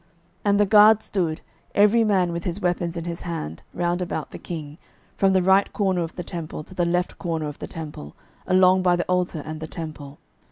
12:011:011 And the guard stood, every man with his weapons in his hand, round about the king, from the right corner of the temple to the left corner of the temple, along by the altar and the temple.